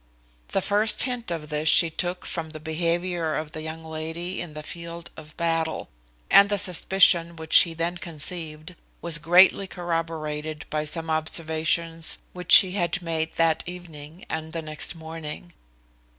The first hint of this she took from the behaviour of the young lady in the field of battle; and the suspicion which she then conceived, was greatly corroborated by some observations which she had made that evening and the next morning.